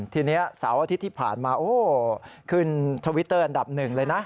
ทีนี้เสาร์อาทิตย์ที่ผ่านมาโอ้ขึ้นทวิตเตอร์อันดับหนึ่งเลยนะ